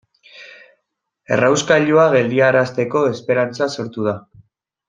Errauskailua geldiarazteko esperantza sortu da.